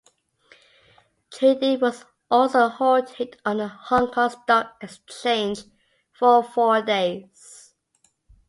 Trading was also halted on the Hong Kong Stock Exchange for four days.